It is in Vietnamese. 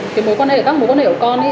cái mối quan hệ các mối quan hệ của con ấy